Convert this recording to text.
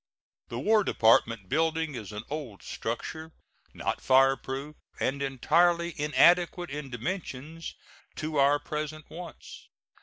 The War Department building is an old structure, not fireproof, and entirely inadequate in dimensions to our present wants.